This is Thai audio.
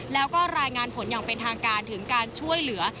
แล้วก็รายงานผลอย่างเป็นทางการถึงการช่วยเหลือ